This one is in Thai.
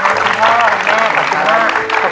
ขอบคุณเด็กด้วยนะครับ